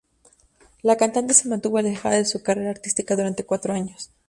La cantante se mantuvo alejada de su carrera artística durante cuatro años.